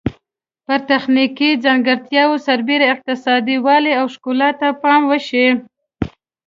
پر تخنیکي ځانګړتیاوو سربیره اقتصادي والی او ښکلا ته پام وشي.